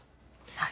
はい。